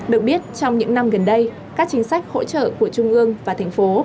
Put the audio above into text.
được biết trong những năm gần đây các chính sách hỗ trợ của trung ương và thành phố